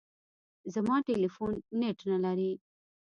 زما ټلیفون نېټ نه لري .